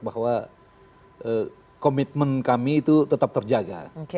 bahwa komitmen kami itu tetap terjaga